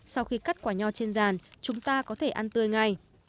sau khi cắt quả nho trên ràn chúng ta có thể ăn tươi ngay